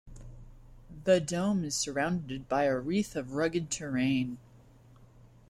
The dome is surrounded by a wreath of rugged terrain.